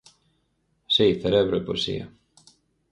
Si, cerebro e poesía.